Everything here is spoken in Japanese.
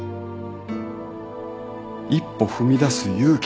一歩踏み出す勇気。